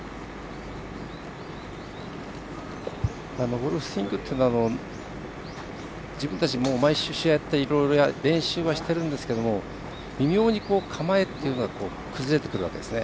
ゴルフスイングというのは毎試合やって練習はしてるんですけど微妙に構えというのは崩れてくるわけですね。